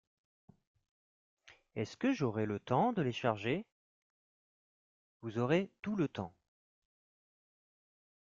Est-ce que j'aurai le temps de les charger ? Vous aurez tout le temps.